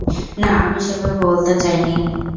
না, আমি সেভাবে বলতে চাই নি।